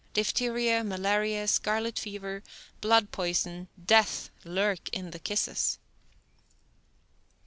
Diphtheria, malaria, scarlet fever, blood poison, death lurk in the kisses!"